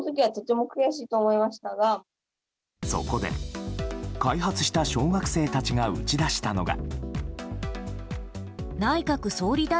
そこで、開発した小学生たちが打ち出したのが。